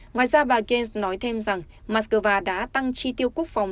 ngoài ra bà gaines nói thêm rằng mắc cơ va đã tăng chi tiêu quốc phòng